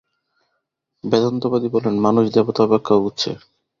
বেদান্তবাদী বলেন, মানুষ দেবতা অপেক্ষাও উচ্চে।